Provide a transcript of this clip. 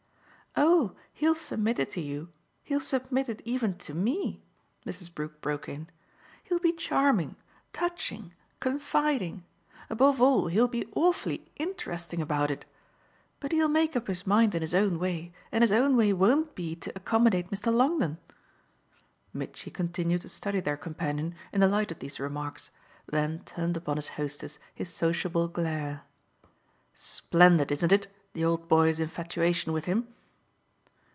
"Oh he'll submit it to you he'll submit it even to ME" Mrs. Brook broke in. "He'll be charming, touching, confiding above all he'll be awfully INTERESTING about it. But he'll make up his mind in his own way, and his own way won't be to accommodate Mr. Longdon." Mitchy continued to study their companion in the light of these remarks, then turned upon his hostess his sociable glare. "Splendid, isn't it, the old boy's infatuation with him?"